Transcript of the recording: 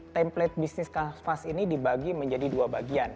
template bisnis kanvas ini dibagi menjadi dua bagian